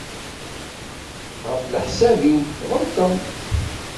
Ɣef leḥsab-iw tɣelṭemt.